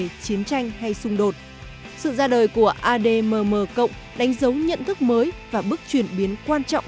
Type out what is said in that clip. về chiến tranh hay xung đột sự ra đời của admm cộng đánh dấu nhận thức mới và bước chuyển biến quan trọng